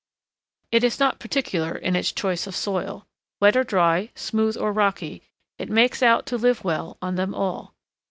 It is not particular in its choice of soil—wet or dry, smooth or rocky, it makes out to live well on them all.